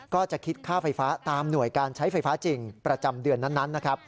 ก็จะคิดค่าไฟฟ้าตามหน่วยการใช้ไฟฟ้าจริงประจำเดือนนั้นนะครับ